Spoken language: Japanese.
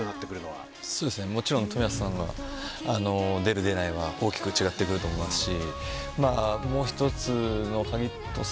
もちろん冨安さんが出る出ないで大きく違ってくると思いますし。